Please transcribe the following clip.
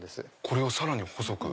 これをさらに細く？